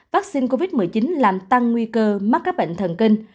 vaccine covid một mươi chín làm tăng nguy cơ mắc các bệnh thần kinh